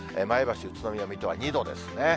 前橋、宇都宮、水戸は２度ですね。